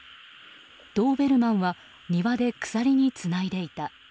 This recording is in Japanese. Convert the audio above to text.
ドーベルマンは庭に鎖でつないでいた。